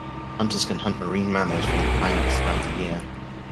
Hunters can hunt marine mammals from kayaks throughout the year.